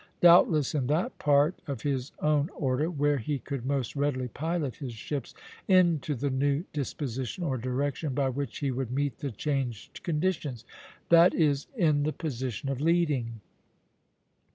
Doubtless in that part of his own order where he could most readily pilot his ships into the new disposition, or direction, by which he would meet the changed conditions; that is, in the position of leading.